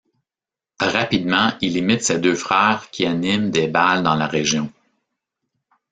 Rapidement, il imite ses deux frères qui animent des bals dans la région.